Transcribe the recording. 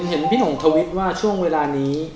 เห็นพี่หนุ่มทวิตว่าช่วงเวลานี้